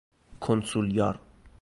کنسولیار